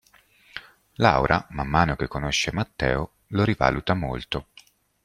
Laura, man mano che conosce Matteo, lo rivaluta molto.